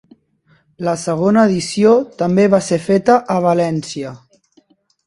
La segona edició també va ser feta a València.